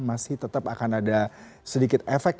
masih tetap akan ada sedikit efek